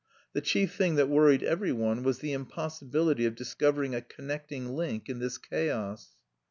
The chief thing that worried every one was the impossibility of discovering a connecting link in this chaos.